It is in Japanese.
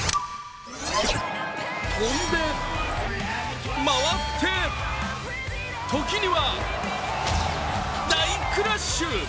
飛んで、回って、時には、大クラッシュ。